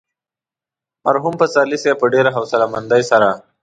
مرحوم پسرلي صاحب په ډېره حوصله مندۍ سره.